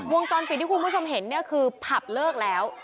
วงจรปิดที่คุณผู้ชมเห็นเนี่ยคือผับเลิกแล้ว